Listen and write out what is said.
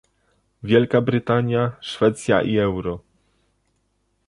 Wielka Brytania, Szwecja i euro